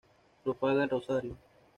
Propaga el Rosario.